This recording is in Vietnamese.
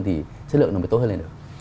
thì chất lượng nó mới tốt hơn lên được